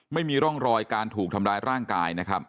ไม่มีร่องรอยการถูกทำร้ายร่างกายนะครับ